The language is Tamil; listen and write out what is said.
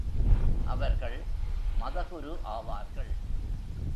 அவர்கள் மத குரு ஆவார்கள்.